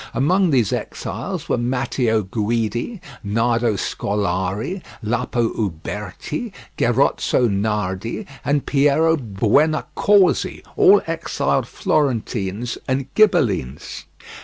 Among these exiles were Matteo Guidi, Nardo Scolari, Lapo Uberti, Gerozzo Nardi, and Piero Buonaccorsi, all exiled Florentines and Ghibellines.